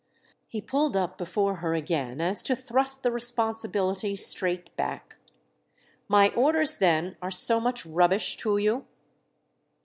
He pulled up before her again as to thrust the responsibility straight back. "My orders then are so much rubbish to you?"